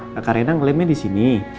kakak renan ngelemnya di sini